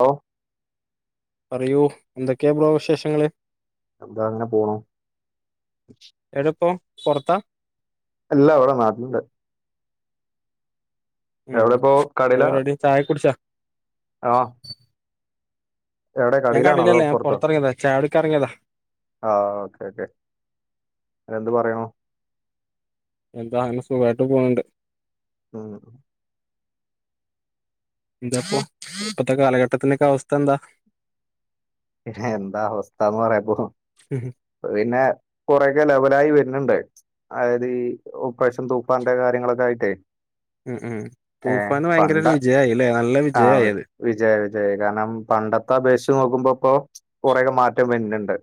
Hello പറയൂ എന്തൊക്കെയാ bro വിശേഷങ്ങള് അതാ അങ്ങനെ പോണു എവടാപ്പം പൊറത്താ അല്ലാ ഇവിടെ നാട്ടില് ഉണ്ട് ഉം എവിടെ ഇപ്പോ എന്താ പരിപാടി ചായൊക്കെ കുടിച്ചാ ആഹ് ഞാൻ കടയിലാണോ അതോ കടേലല്ല ഞാൻ പൊറത്തിറങ്ങിയാതാ ചായകുടിക്കാനിറിയങ്ങിയതാ ആഹ് ഓക്കെ ഓക്കെ അവര് എന്ത് പറയണു എന്താ അങ്ങനെ സുഖമായിട്ട് പോകണ്ട് ഉം എന്താപ്പൊ ഇപ്പത്തെ കാലഘട്ടത്തിന്റൊക്കെ അവസ്ഥ എന്താ എന്താ അവസ്ഥാന്ന് പറയാപ്പോ ഉം പിന്നെ കൊറേക്കെ ലെവലായി വരുന്നുണ്ട് അതായത് ഈ ഈ പ്രാവശ്യം തൂപ്പാന്റെ കാര്യങ്ങളൊക്കെ ആയിട്ടേ ഉം ഉം ഏ തൂഫാന് ഭയങ്കര ഒരു വിജയമായി അല്ലേ നല്ല വിജയം ആയി വിജയായി വിജയായി കാരണം പണ്ടത്തെ അപേക്ഷച്ച് നോക്കുമ്പോ ഇപ്പൊ കൊറേക്കെ മാറ്റം വെന്നുണ്ട്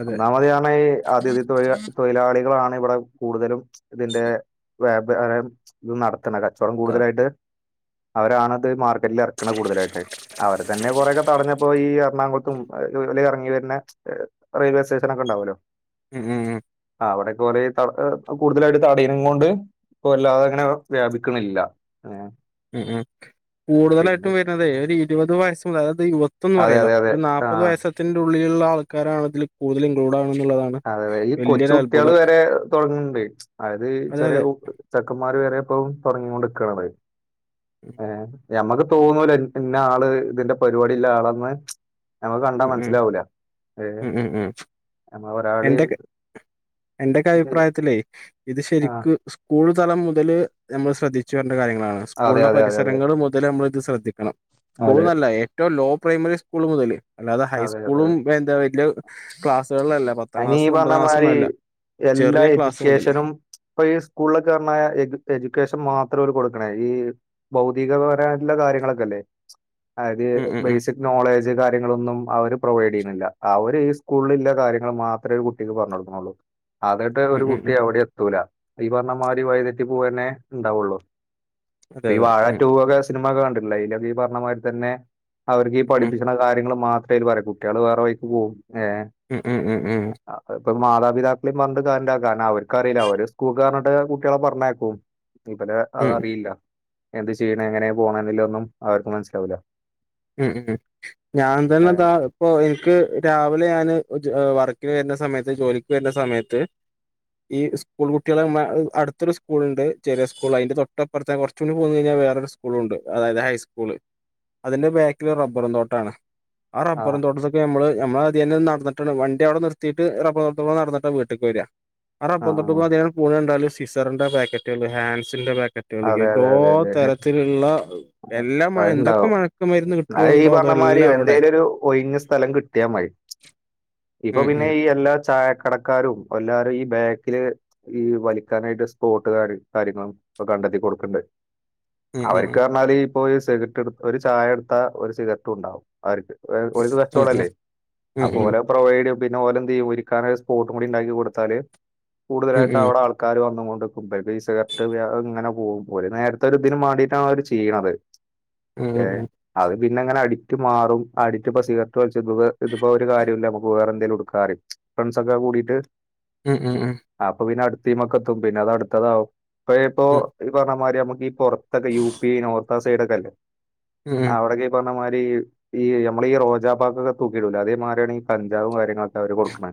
അതെ ഒന്നാമതെ ആണ് ഈ അതിഥി തൊഴി തൊഴിലാളികളാണ് ഇവിടെ കൂടുതലും ഇതിന്റെ വ്യാപാരം ഇത് നടത്തണ് കച്ചവടം അതെ കൂടുതലായിട്ട് അവരാണിത് മാർക്കറ്റിൽ എറക്കണെ കൂടുതലായിട്ട് അവരെ തന്നെ കുറേക്കെ തടഞ്ഞപ്പോ ഈ എറണാകുളത്തും വെളി എറങ്ങി വരുന്ന റെയിൽവേ സ്റ്റേഷൻ ഒക്കെ ഉണ്ടാവൂല്ലോ ഉം ഉം ഉം ആഹ് അവിടെ കൊറേ കൂടുതലായിട്ട് തടയുന്ന കൊണ്ട് ഇപ്പൊ വല്ലാതെ അങ്ങനെ വ്യാപിക്കണില്ല ഉം ഉം പിന്നെ കൂടുതലായിട്ടും വരുന്നതേ ഒരു ഇരുപത് വയസ്സ് മുതൽ അതായത് യുവത്വൊന്ന് അതെ പറയാലോ അതെ അതെ ഒരു ആ നാല്പ്പത് വയസ്സത്തിന്റെ ഉള്ളിലുള്ള ആൾക്കാരാണ് ഇതിൽ കൂടുതൽ ഇൻക്ലൂഡ് ആകുന്നുള്ളതാണ് അതെ അതെ ഈ കൊച്ചു കുട്ടികള് വരെ തുടങ്ങണ്ട് അതായത് അതെ ചെറിയ അതെ ചെക്കന്മാര് വരെ ഇപ്പം തുടങ്ങീയോണ്ട് നിക്കണത് ഏഹ് ഞമ്മക്ക് തോന്നൂല ഇന്ന ആള് ഇതിന്റെ പരിപാടില്ല ആളെന്ന് ഞമ്മക്ക് കണ്ടാ ഉം ഉം മനസ്സിലാവൂല ഏഹ് ഉം ഉം ഉം നമ്മ ഒരാളെയും എന്റൊക്കെ ഇത് അഭിപ്രായത്തിലേ ഇത് ആ ശെരിക്ക് സ് സ്കൂള് തല മുതല് നമ്മള് ശ്രദ്ധിച്ചു വരേണ്ട കാര്യങ്ങളാണ്. അതെ സ്കൂളിന്റെ അതെ അതെ അതെ പരിസരങ്ങള് മുതല് നമ്മള് ഇത് ശ്രദ്ധിക്കണം അതെ സ്കൂൾന്നല്ല ഏറ്റവും ലോ പ്രൈമ്ല് സ്കൂള് മുതല് അല്ലാതെ അതെ അതെ ഹൈസ്കൂളും എന്താ വല്യ ക്ലാസ്സുകളിലല്ലേ പത്ത് അയിനീ പറഞ്ഞ മാതിരി എല്ലാ ചെറിയ ക്ലാസ് മുതല് എഡ്യൂക്കേഷനും ഇപ്പ ഈ സ്കൂളിലൊക്കെ പറഞ്ഞ എ എഡ്യൂക്കേഷൻ മാത്രാ ഓല് കൊടുക്ക്ണേ ഈ ഭൗതികപരമായിട്ട്ള്ള കാര്യങ്ങളൊക്കെല്ലേ അതായത് ഉം ഉം ഉം ബേസിക് നോളേജ് കാര്യങ്ങളൊന്നും അവര് പ്രൊവൈഡ് ചെയ്യുന്നില്ല അവര് ഈ സ്കൂളില്ള്ള കാര്യ ങ്ങള് മാത്ര ഈ കുട്ടിക്ക് പറഞ്ഞു കൊടുക്കുന്നൊള്ളൂ. അതായിട്ട് ഒരു ഉം ഉം കുട്ടി ഉം എവിടിം എത്തൂല ഈ പറഞ്ഞമാതിരി വഴിതെറ്റി പോവന്നെ ഇണ്ടാവൊള്ളു. അതെ ഇപ്പ ഈ അതെ വാഴ ഉം റ്റുവൊക്കെ സ് സിനിമൊക്കെ കണ്ടിട്ടില്ലേ അയിലൊക്കെ ഈ പറഞ്ഞ മാതിരി തന്നെ അവർക്ക് ഈ ഉം പഠിപ്പിച്ച കാര്യങ്ങള് മാത്രേ അയില് പറയു കുട്ടികള് വേറെ വഴിക്ക് പോവും. ഏഹ് ഹ്മ്മ് ഹ്മ്മ് ഹ്മ്മ് ആഹ് ഇപ്പ മാതാപിതാക്കളീം യും പറഞ്ഞിട്ട് കാര്യല്ല കാരണം അവർക്കറിയില്ല അവര് സ്കൂൾക്കാ പറഞ്ഞിട്ട് കുട്ടികളെ പറഞ്ഞേക്കും ഇവലെ അതറിയില്ല എന്ത് ചെയ്യണേ എങ്ങനെ പോണേന്നില്ലേന്നും അവർക്ക് മനസ്സിലാവൂല്ല ഹ്മ്മ് ഹ്മ്മ് ഞാൻ തന്നെതാ അപ്പൊ എനിക്ക് രാവിലെ ഞാന് ഉ വർക്കിന് വരുന്ന സമയത്ത് ജോലിക്ക് വര്ന്ന സമയത്ത് ഈ സ്കൂൾ കുട്ടികളെ മാ അടുത്തൊരു സ്കൂള്ണ്ട് ചെറിയ സ്കൂൾ അതിന്റെ തൊട്ട അപ്പർത്തെ കൊറച്ചും കൂടി പോന്നഴിഞ്ഞാ വേറൊരു സ്കൂളുണ്ട് അതായത് ഹൈസ്കൂള് അതിന്റെ ബാക്കിലൊരു റബ്ബറും തോട്ടാണ് ആ റബ്ബറും തോട്ട ക്ക് നമ്മള് നമ്മളാതിയേനെ നടന്നിട്ടാണ് വണ്ടി അവിടെ നിർത്തിട്ട് റബ്ബർ തോട്ടത്തുകൂടെ നടന്ന്ട്ടാ വീട്ടിക്ക് വരാ ആ റബ്ബർ തോട്ടത്ത്കൂടെ അതിലാണ്ട് പോന്നാല് സിസറിന്റെ പാക്കറ്റ്കള് ഹാൻസിന്റെ പാക്ക റ്റ്കള്, അതെ അതെ എല്ലാ അതെ അതെ തരത്തിലുള്ള എല്ലാ മയ എന്തൊക്കെ അതുണ്ടാവും മയ ക്ക് മരുന്ന് അത് ഈ കിട്ടോണ്ടോ പറഞ്ഞ മാതിരി അതെല്ലാം അവടെ എന്തേലും ഒരു ഒഴിഞ്ഞ സ്ഥലം കിട്ടിയാൽ മതി. ഇപ്പൊ ഉം പിന്നെ ഈ എല്ലാ ചായക്കട ക്കാരും എല്ലാരും ഈ ബാക്കില് ഈ വലിക്കാനായിട്ട് സ്പോട്ട് കാര്യ കാര്യങ്ങളും ഇപ്പ കണ്ടെത്തി കൊട്ക്ക്ണ്ട്. ഉം ഉം ഉം അവർക്ക് പറഞ്ഞാല് ഇപ്പൊ സിഗരറ്റ് എട് ഒരു ചായ എടുത്താ ഒര് സിഗരറ്റുണ്ടാവും അവർക്ക് ഒ ഓര്ക്ക് കച്ചോടല്ലേ ഉം അപ്പൊ ഉം ഓലെ പ്രൊവൈഡെയ്യും പിന്നെ ഓലെന്തെയ്യും ഇരിക്കാനൊരു സ്പോട്ടും കൂടി ഇണ്ടാക്കി കൊടുത്താല് ഉം ഉം ഉം കൂടുതലായിട്ടും അവ്ടെ ആൾ ക്കാര് വന്നോണ്ട്ക്കും പറിമ്പം ഈ സിഗരറ്റ് ഏഹ് അങ്ങനെ പോവും ഒല്, നേരത്തെ ഒരുതിനും മാണ്ടിട്ടാണ് അവര് ചെയ്യ്ണത്. ഉം ഏഹ് അത് പിന്നങ്ങനെ അഡിറ്റ് മാറും അഡിറ്റ്പ്പ സിഗ ഗരറ്റ് വലിച്ചിട്ട് ഇതിപ്പോ ഒരു കാര്യുല്ല നമുക്ക് വേറെ എന്തേലും എടുക്കാൻ അറിം ഫ്രണ്ട്സൊക്കെ കൂടിട്ട് ഹ്മ്മ് ഹ്മ്മ് ഹ്മ്മ് അപ്പൊ പിന്നെ അടുത്തിമക്കത്തും പിന്നെ അതടുത്തതാവും. ഇപ്പ ഇപ്പൊ പറഞ്ഞമാരി നമുക്ക് ഈ പൊറത്തൊക്കെ യു പി നോർത്ത് ആ സൈഡക്കല്ലേ ഉം അവടെക്കെ ഈപറഞ്ഞ മാരി ഈ നമ്മളെ ഈ റോജ പാക്കൊക്കെ തൂക്കിടുലേ അതേ മാതിരിയാണ് ഈ കഞ്ചാവും കാര്യങ്ങളൊക്കെ അവര് കൊട്ക്ക്ണേ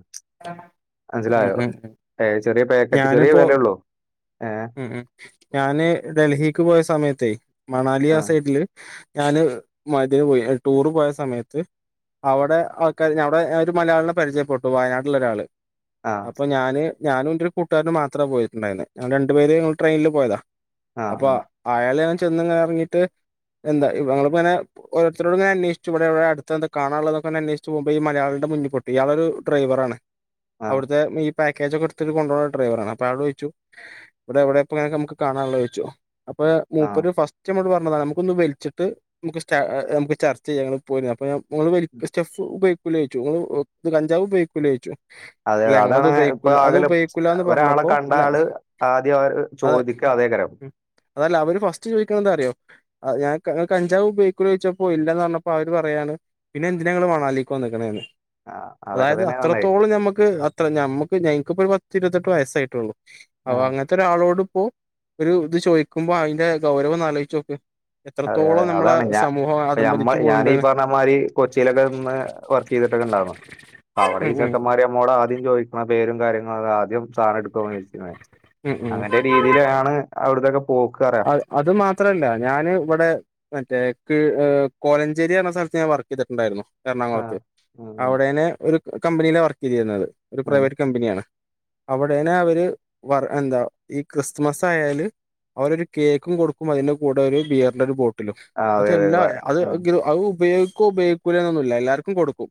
ഉം മനസ്സിലായോ, ഉം ഉം ഉം ഏഹ് ചെറിയ പാക്കറ്റ് ചെറിയ വെലൊള്ളൂ ഹ്മ്മ് ഹ്മ്മ്, ഞാന് ഡൽഹിക്ക് പോയ സമയത്തേ മണാലി ആ ആഹ് സൈഡില് ഞാന് മത്ഹ് പോയി ടൂറ് പോയ സമയത്ത് അവടെ ആൾക്കാര് അവടെ ഞാൻ ഒരു മലയാളിനെ പരിചയപ്പെട്ടു വയനാട്ടിലുള്ളൊരാള് ആഹ് അപ്പോ ഞാന് ഞാനും എന്റൊരു കൂട്ടുകാരനും മാത്രാ പോയിട്ടുണ്ടായിരുന്നേ ഞങ്ങൾ രണ്ടു പേര് ഞങ്ങള് ട്രെയിനില് പോയതാ ആഹ് അപ്പ ആഹ് ആയാള് ഞാൻ ചെന്നിങ്ങനെ എറങ്ങിട്ട് എന്താ ഞങ്ങളിപ്പങ്ങനെ ഓരോർത്തരോടിങ്ങനെ അന്വേഷിച്ചു ഇവിടെ അടുത്തെന്താ കാണാനുള്ളെ എന്നെക്കെ അന്വേഷിച്ചു പോകുമ്പോ ഈ മയാളിന്റെ മുന്നിൽ പെട്ട് ഇയാളൊരു ഡ്രൈവറാണ് ആഹ് അവിട്ത്തെ ഈ പാക്കേജൊക്കെ എടുത്തിട്ട് കൊണ്ടോണ ഡ്രൈവറാണ്. അപ്പോ അയാളോട് ചോദിച്ചു ഇവിടെ എവിടെപ്പംങ്ങനെ നമുക്ക് കാണാണുള്ളേ ചോദിച്ചു അപ്പ ആഹ് മൂപ്പര് ഫസ് ഫസ്റ്റ് നമ്മളോട് പറഞ്ഞതാണ് നമുക്കൊന്ന് വലിച്ചിട്ട് നമുക്ക് സ്റ്റാ നമുക്ക് ചർച്ചെയ്യാ ഇങ്ങള് പോരിം അപ്പൊ ഞാൻ നിങ്ങൾ വല സ്റ്റെഫ് ഉപയോഗിക്കൂലേ ചോദിച്ചു ഇങ്ങള് കഞ്ചാവ് ഉപയോഗിക്കൂലേ ചോദിച്ചു അതെ ഇല്ല ഞങ്ങളത് അതാണ് ഇപ്പ ഉപയോഗിക്കൂല അത് ആകെല്ലം ഉപയോഗിക്കൂലാന്ന് [unintelligible] ഒരാളെ പറഞ്ഞപ്പോ അല്ല കണ്ടാല് ആദ്യം അത് ചോദിക്ക അതേകാരം അതല്ല അവര് ഫസ്റ്റ് ചോതിക്കണ എന്താ അറിയോ ആഹ് ഞാൻ കഞ്ചാവ് ഉപയോഗികൂലെ ചോതിച്ചപ്പോ ഇല്ലന്ന് പറഞ്ഞപ്പോ അവര് പറയാണ് പിന്നെന്തിനാ നിങ്ങെള് മന്നാലിക്ക് വന്നിക്കണേന്ന്. ആഹ് അതൊക്കെ അതായത് തന്നെ പറഞ്ഞേ അത്രത്തോളം നമ്മെക്ക്, അത്ര നമ്മെക്ക് ഞങ്ങക്കിപ്പ ഒരു പത്തിരുപത്തെട്ട് വയസ്സായിട്ടൊള്ളു. അവ ആഹ് അങ്ങനെത്തെ ഒരാളോടിപ്പോ ഒരു ഇത് ചോദിക്കുമ്പോ, അയിന്റെ ഗൗരവം ഒന്നാലോജിച്ച് നോക്ക്. അതെ അതെ എത്രത്തോളം നമ്മളെ അതാണ് ഞാ സമൂഹം പ്പ ഞമ്മ അതമ്പതിച്ചു ഞാൻ ഈ പോണുണ്ട്ന്ന് പറഞ്ഞമാതിരി കൊച്ചിയിലൊക്കെ നിന്ന് വർക്ക് ചെയ്തിട്ടൊക്കൊണ്ടാവും അവെടെ ഉം ഉം ഈച്ചെക്കെമാര് നമോട് ആദ്യം ചോയ് ക്കുന്ന ആ പേരും കാര്യങ്ങളും. ആദ്യം സാനെടുക്കോ ചോയ്ച്ച് ന്നെ. ഉം ഉം അങ്ങെന്റെ രീ രിതിയിലാണ് അവിടത്തെക്കെ പോക്. അത് മാത്രമല്ല. ഞാന് ഇവെടെ മറ്റേ ക്ക് കോലഞ്ചേരിയെന്ന സ്ഥലത്ത് ഞാൻ വർക്ക് ചെയ്തിട്ടുണ്ടാരുന്നു. എറണാകൊളത്ത്. ആഹ് ഉം ഉം അവിടേനേ ഒരു കമ്പനിയിലാ വർക്ക് ചെയ്തിരുന്നത്. ഒരു ഉം പ്രൈവറ്റ് കമ്പനിയാണ്. അവിടെനെ അവെര് വർ എന്താ ഈ ക്രിസ്മസ് ആയാല്. അവരൊരു കേക്കു കൊടുക്കും അതിന്റെ കൂടൊരു ബിയറിന്റെരു ബോ ട്ടിലും ആഹ് അതെ അതെ അതെല്ലാ അത് ആഹ് അഹ് ഉപയോഗിക്കുവോ ഉപയോഗിക്കൂലൊന്നില്ല. എല്ലാവർക്കും കൊടുക്കും.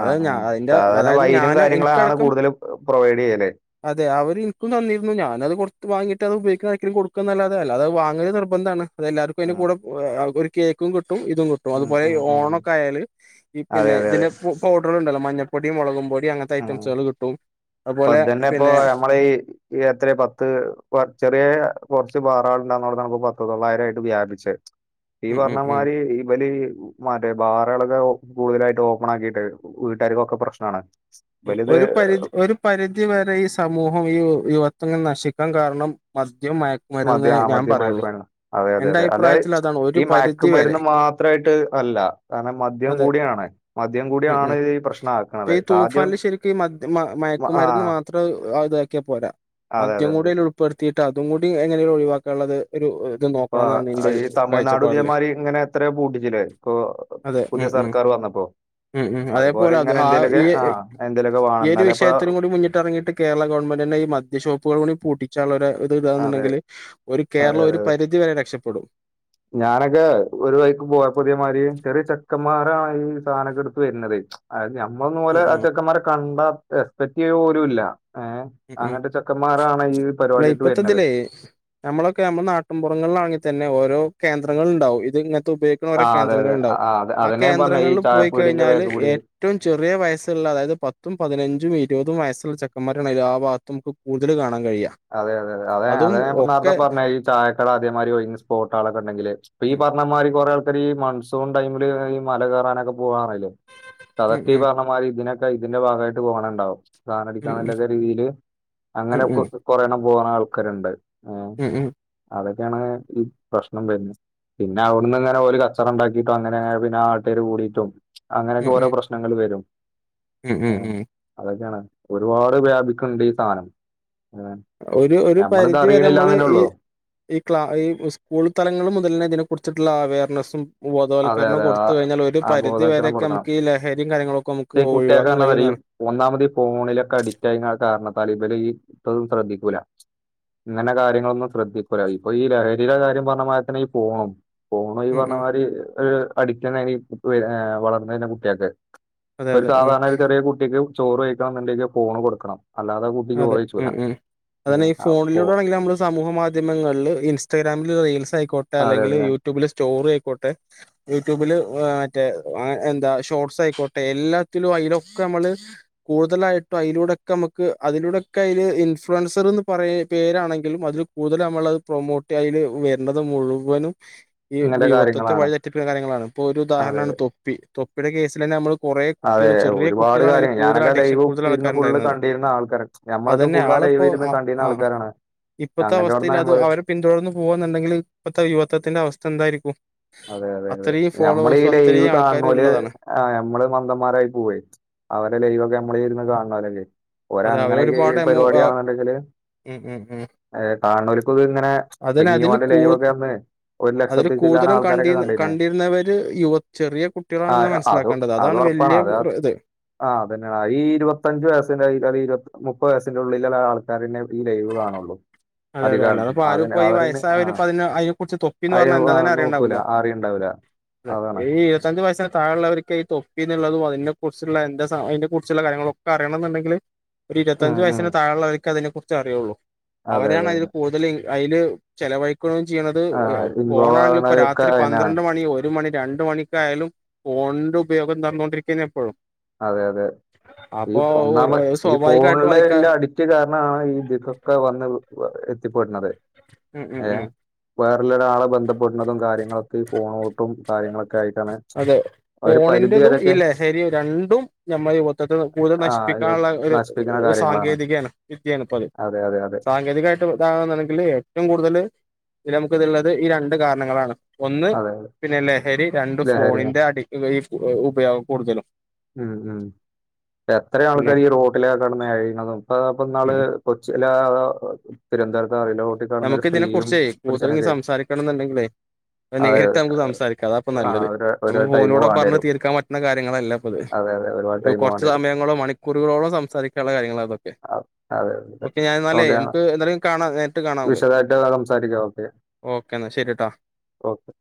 അത ആഹ് ഞാ ആഹ് ന്റെ സാധാരണ അതായത് വൈനും ഞാന് കാര്യങ്ങളാണ് എനിക്കടക്കം. കൂടുതലും പ്രൊവൈഡ് ചെയ്യല് അതെ. അവെര് അത് എനിക്കും തന്നിരുന്നു. ഞാനത് പൊറത്ത് വാങ്ങിട്ട് അത് ഉപയോഗിക്കാനാർക്കേലും കൊടു ക്കുന്നല്ലതെ. അല്ലാതെ വാങ്ങല് നിർബന്ധമാണ്. അത് എല്ലാവർക്കും അയിന്റെ ആഹ് കൂടെ ഒരു കേക്കും കിട്ടും. ഇതും കിട്ടും. ഉം അതുപോലെ ഉം ഈ ഉം ഓണെക്കെയായാല്, ഈ അതെ പിന്നെ അതെ അതെ ഇതിന്റെ ഫുഡ് പൗഡെറുണ്ടല്ലോ, മഞ്ഞപ്പൊടിയും മുളകും പൊടി ടി അങ്ങനെത്തെ ഐറ്റംസുകൾ കിട്ടും. പ്പ അതുപോലെ തന്നെപ്പൊ പിന്നെ ഹെ നമ്മെളെയ് ഈ എത്ര പത്ത്, ചെറെ കൊറെച്ച് ബാറായിണ്ടെന്നുള്ള കണക്ക് പത്ത് തൊള്ളായിരം ആയിട്ട് വ്യാപിച്ച്. ഈ ഉം ഉം ഉം പർണമാര് ഇവെല് മറ്റേ ബാറകളൊക്കെ കൂടുതലായിട്ട് ഓപ്പൺ ആക്കിട്ട് വീട്ടുകാർക്കൊക്കെ പ്രശ്നാണ്. ഒര് പരിച ഒര് പരിധി വെരെ ഈ സമൂഹം, ഈ യുവത്വങ്ങൾ നശിക്കാൻ കാരണം മദ്യം മയ മദ്യ ആ മദ്യ മയക്കുമരുന്നാ. അതെ, അതെ, എന്റെ അതെ, അതൈ അഭിപ്രായത്തിൽ അതാണ് ഒരു ഈ പരിധി വരെ മയക്കുമരുന്ന് മാത്രമായിട്ട് അല്ല. കാരണം, മദ്യം അതെ കൂടിയാണ്. മദ്യം കൂടിയാണ് ഈ പ്രശ്നമാക്കണന്നത്. കാർ ണ ശെരിക്ക് ഈ മദ്യ മയക്കുമരുന്ന് മാത്രം ഇതാക്കിയാ പോരാ. അതെ അതെ മദ്യം കൂടുലു. പ്പെടുത്തിയിട്ട് അതും കൂടി എങ്ങനെഴും ഒഴിവാക്കാള്ളെത്. ഇപ്പ ഈ തമിഴ്നാട് കാഴ്ചപ്പാടില് ഉദ്യോമാര് ഇങ്ങനെ എത്രയോ പൂട്ടിച്ചിട്ട്. ഇപ്പൊ അതെ ഉം പുതിയ ഉം സർക്കാറ് വന്നപ്പോ ഉം ഉം. അതേപോലെ അത് ആ ഈ ഈ എന്തേലുക്കെ വാ എത് വിഷയത്തിനും കൂടി മുന്നിട്ടെറങ്ങിട്ട് കേരള ഗവർമെന്റിന്റെ ഈ മദ്യഷോപ്പുകുകള് കൂടി പൂട്ടിച്ചാലൊരു--! ! ! ! ! ! ! ! ! ! യിത് അതെ തോന്നുന്നൊണ്ടെങ്കില് ഒരു കേരളം ഒരു പരിധി വെരെ രക്ഷപ്പെടും. ഞാനെക്കെ ഒരു വഴിക്ക് പോയപ്പോ പൊതിയമാര് ചെറിയ ചെക്കന്മാരാണ് ഈ സാധനൊക്കെ എടുത്ത് തെരുന്നത്. ! ! ! ! ! ! ! ! ! അത് ഞമ്മെളെന്ന് ഉം മൊതല് ഉം അച്ചെക്കന്മാരെ കണ്ടാ എക്സ്പെക്ട് ചെയ്യാപോലുല്ല. ഏഹ്. ! ! ! ! ! ! ! ! ഉം ! ! ഉം അങ്ങനെത്തെ ചെക്കന്മാരാണ് ഇന്ന് ഈ പരിപാടിട്ട് വെരുന്നത്. നമ്മളൊക്കെയാമ്പം നാട്ടിൻപുറങ്ങളിലാണെങ്കിൽ തന്നെ ഓരോ കേന്ദ്രങ്ങളൊണ്ടാവും. ഇത് ഇങ്ങനെത്തെ ഉപയോഗി ക്കുന്ന ഓരോ ആ അതെ കേന്ദ്രങ്ങള് അതെ ആ ഒണ്ടാവും. അതെ ആ അതന്നെ പറഞ്ഞ ഈ കേന്ദ്രങ്ങളില് പോയി ചായപ്പീടിന്റെ കഴിഞ്ഞാല് ബാക്കി ഏ കൂടി റ്റവും ചെറിയ വയസ്സൊള്ള അതായത് പത്തും, പതിനഞ്ചും ഇരുപതും വയസ്സുള്ള ചെക്കന്മാര രാണ് എല്ലാ ഭാഗത്തും നുക്ക് കൂത്തല് കാണാൻ കഴിയ്വാ. അതെ, അതെ, അതെ, അതെ അതാ നേരത്തെ പറഞ്ഞേ ഈ ചായക്കട അതേമാതിരി ഒഴിക്കുന്ന സ്പോട്ടാളെക്കെ ഉണ്ടെങ്കില്. അപ്പ ഈ ഉം പറഞ്ഞമാതിരി, കൊറെ ആൾക്കാര് ഈ മൺസൂൺ ടൈമില് ഈ മല കേറാനൊക്കെ പോവാണേല്. ഉം അതെക്കെ ഈ ഉം പറഞ്ഞ മാതിരി ഇതിനെക്കെ ഇതിന്റെ ഭാഗമായിട്ട് പോണെണ്ടാവും. ! ! ! ! ! ! ! ! ! ! ഉം സാനെടിക്കാന്നൊള്ളന്നാ രീതിയില് ഉം അങ്ങനെ ഉം കൊറേണം പോണാൾക്കാരൊണ്ട്. ഉം ഉം അതൊക്കെയാണ് ഈ പ്രശ്നം വെരുന്നേ. പിന്നെ അവ്ട്ന്ന്ങ്ങനെ ഓല് കച്ചറണ്ടാക്കിയിട്ട് അങ്ങനെ പിന്നെ നാട്ടാര് കൂടിട്ടും. അങ്ങനെയെക്കെ ഉം ഓരോ പ്രശ്നങ്ങള് വെരും. ഉം ഉം ഉം അതൊക്കെയാണ് ഒരുപാട് വ്യാപിക്ണ്ട് ഈ സാനം ഒരു ഒരു പരിധി വരെ അറിയണില്ല നമ്മള് എന്നേ ഈ ഉള്ളൂ ഈ ക്ലാ ഈ സ്കൂൾ തലങ്ങൾ മുതൽ തന്നെ ഇതിനെ കുറിച്ചിട്ടുള്ള അവെയർനെസ്സും അതെ ബോധവൽക്കരണം അതെ ആ കൊടുത്ത കഴിഞ്ഞാൽ ഒരു ആ പരിധി ബോധവൽക്കരണം വരെക്കെ കൊടുക്കണം നമുക്ക് ഈ ലഹരിം കാര്യങ്ങളൊക്കെ ഒ ഈ കുട്ടിയെക്കെന്നറിയും ഒന്നാമത് ഫോണിലൊക്കെ അഡിക്റ്റ് അയിന ആ കാരണത്താൽ ഇതില് ഇതും ശ്രദ്ധിക്കൂല ഇങ്ങനെ കാര്യങ്ങളൊന്നും ശ്രദ്ധിക്കൂല്ല. ഇപ്പോ ഈ ലഹരിടെ കാര്യം പറഞ്ഞമാരിതന്നെ പോ പോണു ഈ ഉം ഉം പർഞ്ഞ മാതിരി ഒരു അഡിക്റ്റന്നേനി വളർന്ന് വര്ന കുട്ടിയൾക്ക് അതെ ഇപ്പൊരു അതെ ഉം സാധാരണ ഒരു ചെറിയ കുട്ടിക്ക് ചോറ് കഴിക്കണം എന്നുണ്ടെങ്കി ഫോൺ കൊടുക്കണം. അല്ലാതെ കു അതെ ഉം ഉം അതന്നെ ഈ അപ്പോ ഫോണിലൂടെ ആണെങ്കിൽ നമ്മള് സമൂഹ മാധ്യമങ്ങളില് ഇൻസ്റ്റാഗ്രാമില് റീൽസ് ആയിക്കോട്ടെ അതെ അല്ലെങ്കിൽ അതെ യൂട്യൂബില് സ്റ്റോറി ആയിക്കോട്ടെ യൂട്യൂബില് മറ്റേ എന്താ ഷോർട്സ് ആയിക്കോട്ടെ എല്ലാത്തിലും അയിലൊക്കെ നമ്മള് കൂടുതലായിട്ടും അയിലൂടൊക്കെ നമുക്ക് അതിലൂടൊക്കെ അയില് ഇൻഫ്ലുവൻസർ എന്ന് പറയ പേരാണെങ്കിലും അതിൽ കൂടുതൽ നമ്മള് പ്രൊമോട്ടയ്ല് വര്ണത് മുഴുവനും ഈ ഇങ്ങനത്തെ യുവത്വത്തെ കാര്യങ്ങളാണ് വഴിതെറ്റപ്പിക്കുന്ന കാര്യങ്ങളാണ്. ഇപ്പൊ ഒരു അതെ ഉദാഹരണാണ് തൊപ്പി തൊപ്പിയുടെ കേസിലന്നെ നമ്മള് കുറെ കുട്ടികൾ അതെ ചെറിയ ഒരുപാട് കുട്ടികളാണ് അയിൽ കൂടുതൽ അഡിക്ഷൻ കൂടുതൽ ആൾക്കാരുണ്ടായിരുന്നത്. ച്ചിരുന്ന ആൾക്കര് അതന്നെ ആളിപ്പോ അ ആഹ് ഇപ്പത്തെ അങ്ങനത്തെ അവസ്ഥയിൽ അവിടുന്ന് നമ്മള് അത് അവര് പിന്തുടർന്ന് പോകുന്നുണ്ടെങ്കിൽ ഇപ്പത്തെ യുവത്തതിന്റെ അവസ്ഥ എന്തായിരിക്കും അതെ അതെ അതെ അത്രയും ഞമ്മള ഈ ഫോളോവേഴ്സും ലൈവ് അത്രയും ആൾക്കാര് കാണ്ണോല് ഉള്ളതാണ് ആഹ് ഞമ്മള് മന്ദന്മാരായി പോവെയ്. അവരെ ലൈവ ഒക്കെ നമ്മൾ ഇരുന്ന് കാണലല്ലേ ഒര അതെ അവര് അങ്ങനെയൊക്കെ ഈ ഒരുപാട് എമൗ പരിപാടാണെന്നുണ്ടെങ്കില് ഉം ഉം ഉം ഏഹ് കാണ്ണോൽക്ക്ത് ഇങ്ങനെ അതിന് പിഞ്ഞി അതില് ഓന്റെ കൂ ലൈവൊക്കെ അന്ന് ഒരു അതില് ലക്ഷത്തി ചില്ലാന കൂടുതലും ആൾ കണ്ടി കണ്ടിരുന്നവര് യുവ ചെറിയ ആ കുട്ടികളാണ്ന്ന മനസ്സിലാക്കേണ്ടത് അതാണ് വല്യയ ഇത് ആഹ് അതന്നെയാണ് ഈ ഇരുപതഞ്ച വയസിന്റെ അ ഇരുപ മുപ്പ വയസ്സിന്റെ ഉള്ളിൽ ആൾക്കാരന്നെ ഈ ലൈവ് കാണുള്ളൂ. അതെ അതെ അല്ലാത അധികാലത്തും അപ്പ ആരും അതിന് ഇപ്പോ അവരന്നെ ആ വയസ്സായോല്പ്പ അതിന് അയിനെ കുറിച്ച് തൊപ്പിന്ന് അയ പറഞ്ഞാ ആ, എന്താന്നെ അറിയണ്ട നോക്കൂല വുല ആരെയും ഉണ്ടാവൂല അതാണ് ഈ ഇരുപത്തഞ്ച വയസന് താഴുള്ളവർ ക്കേ തൊപ്പി എന്നുള്ളതും അതിനെ കുറിച്ചുള്ള എന്റെ സ അയിനെ കുറിച്ചുള്ള കാര്യങ്ങളൊ ഒക്കെ അറിയണം എന്നുണ്ടെങ്കില് ഒരു ഉം ഇരുപത്തഞ്ച ഉം വയസ്സിന് താഴുള്ളവർക്ക് അതിനെ കുറിച്ച് അറിയുള്ളൂ. അതെ അതെ അവരാണ് അതിൽ കൂടുതൽ അയില് ചെലവയ് ക്ണ് ചെയ്യണത് ആ ഇൻവോൾവ് പോണാണെങ്കിൽ ഇപ്പോ രാത്രി ആവണൊക്കെ പന്ത്രണ്ട് മണി ഒരു മണി രണ്ട് മണി കായാലും ഫോണിന്റെ ഉപയോഗം നടന്നുകൊണ്ടിരിക്കന്ന ഇപ്പഴും അതെ അതെ ഈ ഒന്നാമെ ഈ സ്വാഭാവികമായിട്ടും ഫോണില് അതിക്ക ഇല്ല അടി റ്റ് കാരണാണ് ഈ തികൊക്കെ വന്ന് എത്തിപ്പെട്ണത്. ഉം ഉം ഏഹ് ഉം വേറല്ല ഒരാള് ബന്ധപ്പെടുന്നതും കാര്യങ്ങളൊക്കെ ഈ ഫോണിലോട്ടും കാര്യങ്ങളൊക്കെ ആയിട്ടാണ് അതെ ഒരു പരിധി ഫോണിന്റതും ഈ വരെയൊക്കെ ലഹരി രണ്ടും ഞമ്മളെ യുവത്തത് കൂടുതൽ ആ ഇത് നശിപ്പിക്കാനുള്ള ഒരു നശിപ്പിക്കുന്ന കാര്യങ്ങളാണ് സാങ്കേതികാണ് വിദ്യയാണ് ഇപ്പ അത്. അതെ അതെ അതെ സാങ്കേതികായിട് [unintelligible] ഏറ്റവും കൂടുതൽ നമുക്ക് ഇത്ള്ളത് ഈ രണ്ട് കാരണങ്ങളാണ്. ഒന്ന് അതെ പിന്നെ ലഹരി രണ്ട് ലഹരി ഫോണിന്റെ അടി ഈ ഉപയോഗം കൂടുതലും ഉം ഉം എത്ര പിന്നെ ആൾക്കാര് ഈ റോട്ടിലേ കെട്ന്ന് എഴിണതും ഇപ്പ ഇപ്പന്നാള് [unintelligible] നമുക്ക് ഇതിനെ കുർച്ചെ കൂട്തല് ഇഞ് പുരുഷനൊക്കെ സംസാരിക്കണം ഇന്നുണ്ടെങ്കിലേ അതെ നേരിട്ട് നമുക്ക് സംസാരിക്കാം അതാപ്പ ആ നല്ലത് ഒരു നമു ഒരുപാട് ടൈം ഫോലൂടെ വേണ്ടി പറഞ് വരും തീർക്കാൻ പറ്റുന്ന കാര്യങ്ങളെല്ല അതെ ഒരുപാട് ടൈം കുറച്ച് വേണ്ടി വരും സമയങ്ങളോ മണിക്കൂ കുറികോളം സംസാരിക്കാനുള്ള കാര്യങ്ങളാണ് അതൊക്കെ അ- അതെ ഓക്കെ ഞാൻ എന്നല്ലേ ഓക്കെ നമുക്ക് എന്തായാലും കാണ വിശദമായിട്ട് സംസാരിക്ക ഓക്കെ ഓക്കെ എന്നാ ശരിട്ടാ ഓക്കെ